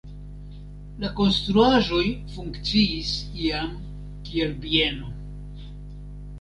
La konstruaĵoj funkciis iam kiel bieno.